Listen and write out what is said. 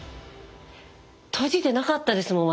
閉じてなかったですもん私。